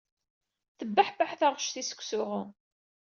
Tebbeḥbeḥ taɣect-is seg usuɣu.